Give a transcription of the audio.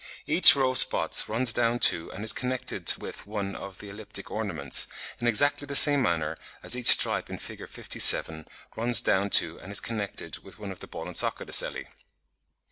Each row of spots runs down to and is connected with one of the elliptic ornaments, in exactly the same manner as each stripe in Fig. 57 runs down to and is connected with one of the ball and socket ocelli.